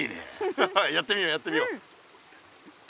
ハハやってみようやってみよう。